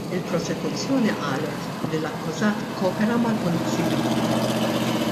Il-prosekuzzjoni qalet li l-akkużat ikkopera mal-pulizija.